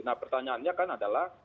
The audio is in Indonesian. nah pertanyaannya kan adalah